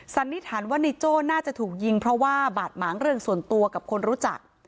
สันนิษฐานว่าในโจ้น่าจะถูกยิงเพราะว่าบาดหมางเรื่องส่วนตัวกับคนรู้จัก